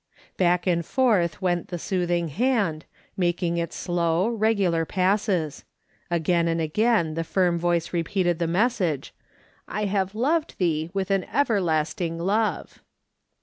Back and forth went the soothing hand, making its slow, regular passes ; again and again the firm voice repeated the message :" I have loved thee with an everlasting love."